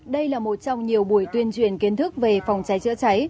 đây là một trong nhiều buổi tuyên truyền kiến thức về phòng trái trễ cháy